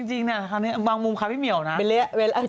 จริงเนี่ยบางมุมค่ะพี่เหมียวนะ